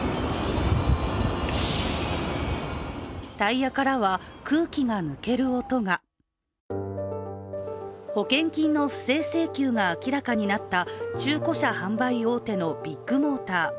タイヤからは、空気が抜ける音が保険金の不正請求が明らかになった中古車販売大手のビッグモーター。